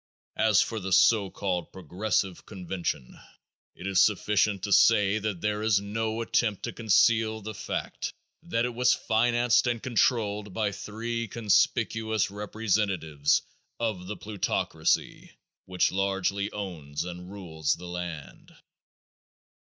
As for the so called Progressive convention, it is sufficient to say that there is no attempt to conceal the fact that it was financed and controlled by three conspicuous representatives of the plutocracy which largely owns and rules the land.